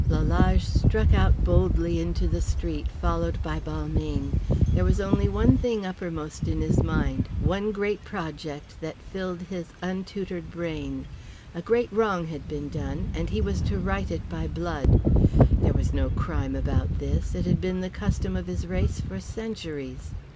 Lalage struck out boldly into the street followed by Balmayne. There was only one thing uppermost in his mind, one great project that filled his untutored brain. A great wrong had been done, and he was to right it by blood. There was no crime about this, it had been the custom of his race for centuries.